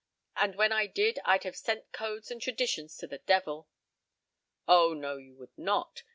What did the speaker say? And when I did I'd have sent codes and traditions to the devil." "Oh, no, you would not.